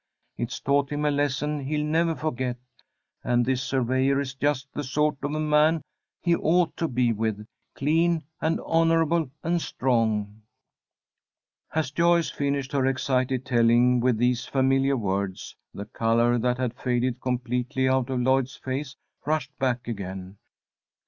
It's taught him a lesson he'll never forget; and this surveyor is just the sort of a man he ought to be with, clean, and honourable, and strong." As Joyce finished her excited telling with these familiar words, the colour that had faded completely out of Lloyd's face rushed back again.